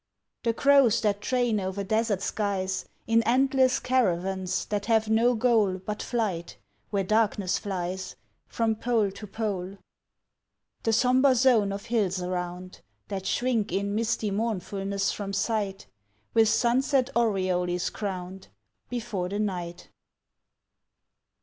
The crows that train o'er desert skies In endless caravans that have no goal But flight where darkness flies From Pole to Pole. The sombre zone of hills around That shrink in misty mournfulness from sight, With sunset aureoles crowned Before the night.